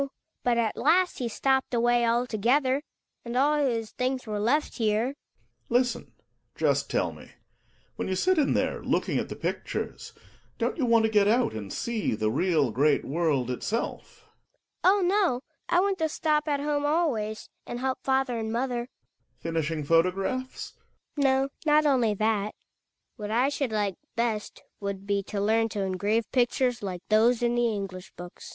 But at last he stopj)ed away altogether, and all his things were left here. I — GKEiiEKS. — I jisten "^=^ jrryb teH TP^ — when you sit in there looking at the pictures, don't you want to get out, and see the real great world itself ? HED\nG. Oh, no ! I want to stop at home always, and help father and mother. Gregers. Finishing photographs ? Hedvig. No, not only that. What I should like best would be to learn to engrave pictures like those in the English books. Gregers. H'm!